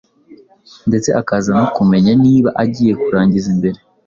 ndetse akaza no kumenya niba agiye kurangiza mbere